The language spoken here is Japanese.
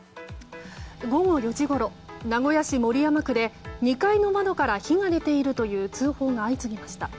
午後５時ごろ、名古屋市守山区で２階の窓から火が出ているという通報が相次ぎました。